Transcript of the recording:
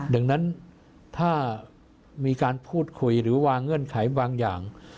ดังนั้นถ้ามีการพูดคุยหรือวางเงื่อนไขบางอย่าง